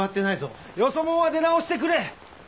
よそ者は出直してくれ。